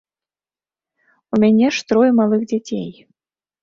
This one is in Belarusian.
У мяне ж трое малых дзяцей.